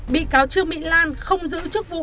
bị cáo trương mỹ lan không giữ chức vụ